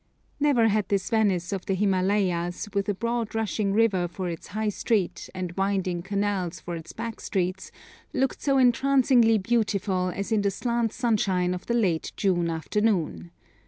Never had this Venice of the Himalayas, with a broad rushing river for its high street and winding canals for its back streets, looked so entrancingly beautiful as in the slant sunshine of the late June afternoon.